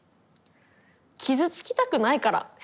傷つきたくないから！